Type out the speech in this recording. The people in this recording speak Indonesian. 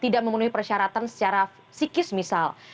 tidak memenuhi persyaratan secara psikis misal